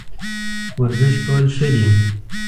ورزش کول ښه دي